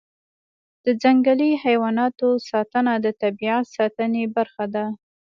د ځنګلي حیواناتو ساتنه د طبیعت ساتنې برخه ده.